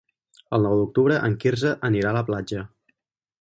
El nou d'octubre en Quirze anirà a la platja.